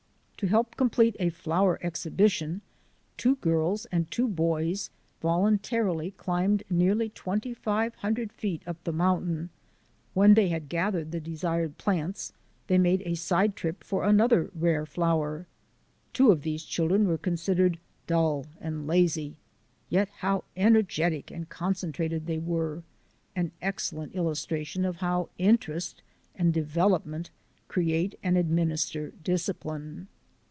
To help complete a flower exhibition two girls and two boys voluntarily climbed nearly twenty five hundred feet up the mountainside. When they had gathered the desired plants they made a side trip for another rare flower. Two of these children were considered dull and lazy; yet how energetic and concentrated they were — an excel lent illustration of how interest and development create and administer discipline!